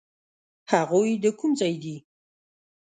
هغوی د کوم ځای دي؟